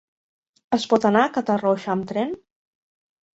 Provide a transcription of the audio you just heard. Es pot anar a Catarroja amb tren?